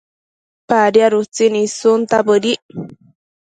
Badiad utsin issunta bëdic